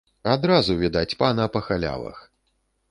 Адразу відаць пана па халявах.